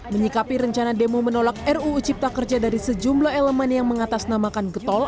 menyikapi rencana demo menolak ruu cipta kerja dari sejumlah elemen yang mengatasnamakan getol